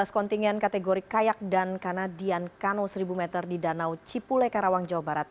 tiga belas kontingen kategori kayak dan kanadian kano seribu meter di danau cipule karawang jawa barat